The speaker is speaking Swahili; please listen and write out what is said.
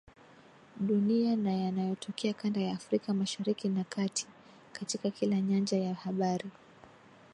dunia na yanayotokea kanda ya Afrika Mashariki na Kati, katika kila nyanja ya habari